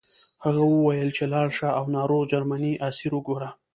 هغه وویل چې لاړ شه او ناروغ جرمنی اسیر وګوره